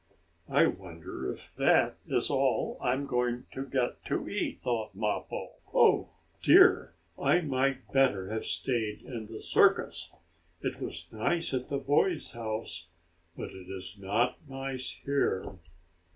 "I wonder if that is all I am to get to eat," thought Mappo. "Oh, dear! I might better have stayed in the circus. It was nice at the boy's house, but it is not nice here."